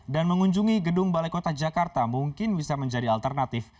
dan mengunjungi gedung balai kota jakarta mungkin bisa menjadi alternatif